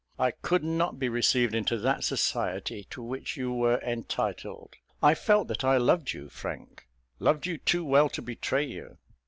I could not be received into that society to which you were entitled. I felt that I loved you, Frank; loved you too well to betray you.